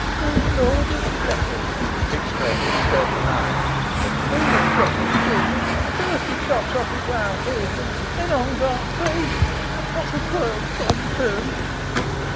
"Good lorjus bless us!" exclaimed a sturdy hind, "we'n a protty king. Furst he chops off his woife's heaod, an then hongs aw t' priests. Whot'll t' warlt cum 'to?